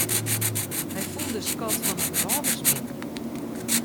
Hy fûn de skat fan in rôversbinde.